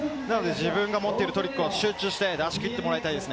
自分が持っているトリックを集中して、出し切ってもらいたいです。